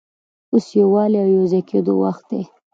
اوس د یووالي او یو ځای کېدلو وخت دی.